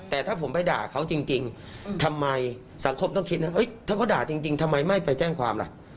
แต่ถ้าผมไปด่าเขาจริงทำไมสังคมต้องคิดนะถ้าเขาด่าจริงทำไมไม่ไปแจ้งความล่ะ